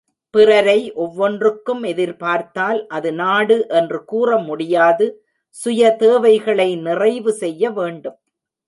பிறரை ஒவ்வொன்றுக்கும் எதிர் பார்த்தால் அது நாடு என்று கூறமுடியாது சுய தேவைகளை நிறைவுசெய்ய வேண்டும்.